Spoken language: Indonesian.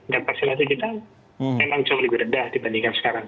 dan vaksinasi kita memang jauh lebih rendah dibandingkan sekarang